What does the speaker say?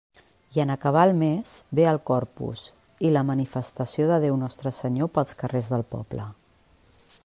I en acabar el mes ve el Corpus i la manifestació de Déu Nostre Senyor pels carrers del poble.